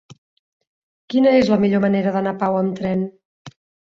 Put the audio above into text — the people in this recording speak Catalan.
Quina és la millor manera d'anar a Pau amb tren?